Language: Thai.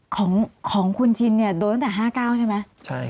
ของคุณชินโดนตั้งแต่๕เก้าใช่ไหม